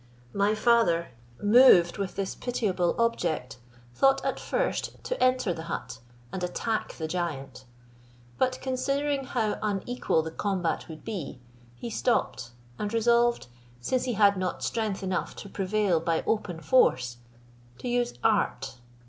My father, moved with this pitiable object, thought at first to enter the hut and attack the giant; but considering how unequal the combat would be, he stopped, and resolved, since he had not strength enough to prevail by open force, to use art.